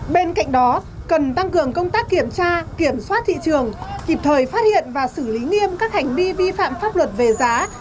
bên cạnh đó cần tăng cường công tác kiểm tra kiểm soát thị trường kịp thời phát hiện và xử lý nghiêm các hành vi vi phạm pháp luật về giá